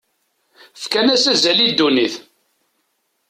Fkan-as azal i ddunit.